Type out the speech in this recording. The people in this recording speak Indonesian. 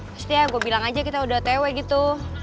pasti ya gue bilang aja kita udah tewe gitu